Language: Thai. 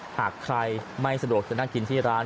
หากใครไม่สะดวกจะนั่งกินที่ร้าน